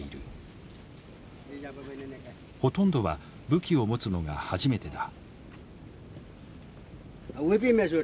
ほとんどは武器を持つのが初めてだ。